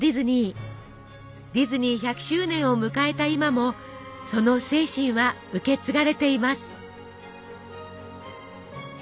ディズニー１００周年を迎えた今もその精神は受け継がれています。